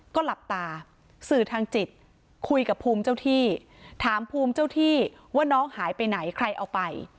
ก็หลับตาสื่อทางจิตคุยกับภูมิเจ้าที่ถามภูมิเจ้าที่ว่าน้องหายไปไหนใครเอาไป